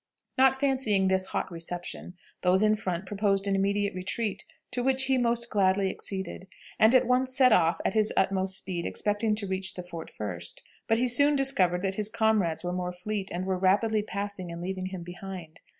Not fancying this hot reception, those in front proposed an immediate retreat, to which he most gladly acceded, and at once set off at his utmost speed, expecting to reach the fort first. But he soon discovered that his comrades were more fleet, and were rapidly passing and leaving him behind.